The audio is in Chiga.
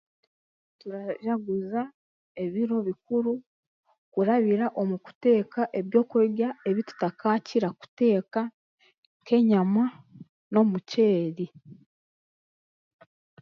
Turajaguza ebiro bikuru nk'okurabira omu kuteeka ebyokurya ebitutarakira kuteeka nk'enyama n'omuceeri